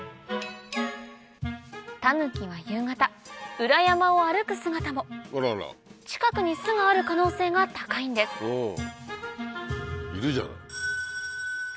タヌキは夕方裏山を歩く姿も近くに巣がある可能性が高いんですいるじゃない。